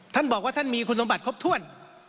ท่านบอกว่าท่านมีคุณสมบัติครบถ้วน